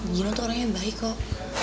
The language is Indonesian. giro tuh orang yang baik kok